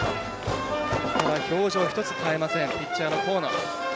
表情一つ変えませんピッチャーの河野。